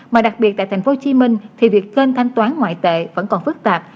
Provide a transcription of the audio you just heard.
mà đặc biệt tại tp hcm thì việc kênh thanh toán ngoại tệ vẫn còn phức tạp